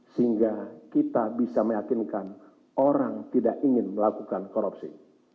sehingga kita bisa meyakinkan orang tidak ingin melakukan korupsi